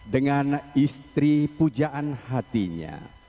dengan istri pujaan hatinya